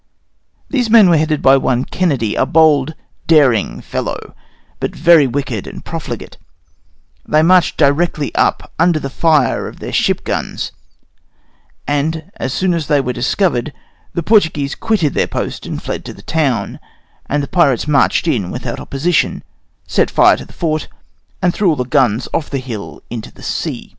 These men were headed by one Kennedy, a bold, daring fellow, but very wicked and profligate; they marched directly up under the fire of their ship guns, and as soon as they were discovered, the Portuguese quitted their post and fled to the town, and the pirates marched in without opposition, set fire to the fort, and threw all the guns off the hill into the sea, which after they had done they retreated quietly to their ship.